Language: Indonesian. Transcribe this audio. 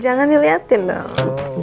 jangan diliatin dong